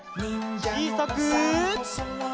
ちいさく。